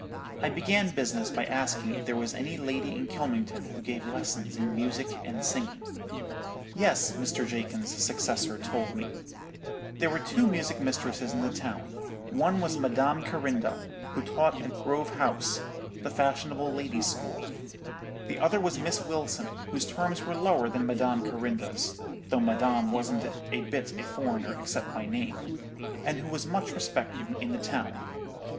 "I began business by asking if there was any lady in Kylmington who gave lessons in music and singing. "'Yes,' Mr. Jakins's successor told me, 'there were two music mistresses in the town—one was Madame Carinda, who taught at Grove House, the fashionable ladies' school; the other was Miss Wilson, whose terms were lower than Madame Carinda's—though Madame wasn't a bit a foreigner except by name—and who was much respected in the town.